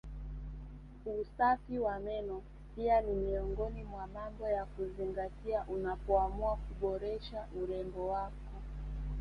Usafi wa meno pia ni miongoni mwa mambo ya kuzingatia unapoamua kuboresha urembo wako